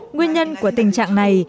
nguyên nhân của tình trạng này